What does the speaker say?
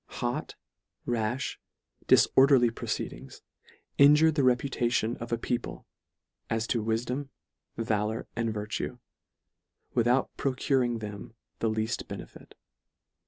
Hot, rafli, difor derly proceedings, injure the reputation of a people as to wifdom, valour and virtue, without procuring them the leaft benefit.